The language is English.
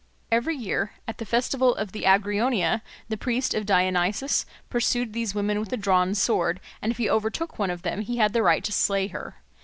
Every year at the festival of the Agrionia the priest of Dionysus pursued these women with a drawn sword, and if he overtook one of them he had the right to slay her.